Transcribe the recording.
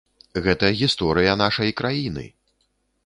Гэта гісторыя нашай краіны!